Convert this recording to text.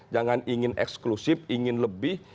jangan ingin eksklusif ingin lebih